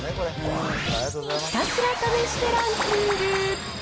ひたすら試してランキング。